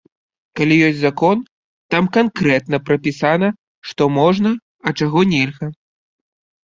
Калі ёсць закон, там канкрэтна прапісана што можна, а чаго нельга.